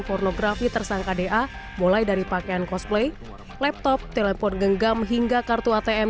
pornografi tersangka da mulai dari pakaian cosplay laptop telepon genggam hingga kartu atm